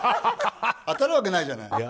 当たるわけないじゃない。